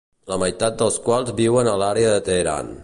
La meitat dels quals viuen a l'àrea de Teheran.